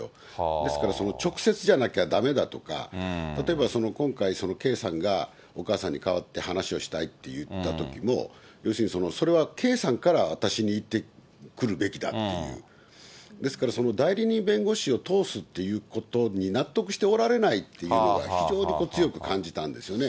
ですから、直接じゃなきゃだめだとか、例えば今回、圭さんがお母さんに代わって話をしたいと言ったときも、要するに、それは圭さんから私に言ってくるべきだっていう、ですから、代理人弁護士を通すっていうことに納得しておられないというのが、非常に強く感じたんですよね。